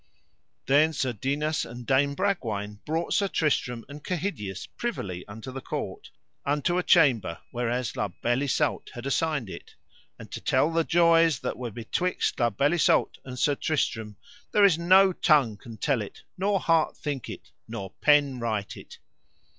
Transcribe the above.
Then Sir Dinas and Dame Bragwaine brought Sir Tristram and Kehydius privily unto the court, unto a chamber whereas La Beale Isoud had assigned it; and to tell the joys that were betwixt La Beale Isoud and Sir Tristram, there is no tongue can tell it, nor heart think it, nor pen write it.